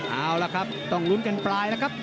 เอาล่ะครับต้องลุ้นกันปลายแล้วครับ